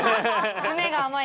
詰めが甘い。